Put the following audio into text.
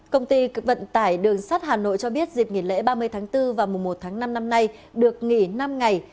công ty vận tải đường sắt hà nội cho biết dịp nghỉ lễ ba mươi tháng bốn và mùa một tháng năm năm nay được nghỉ năm ngày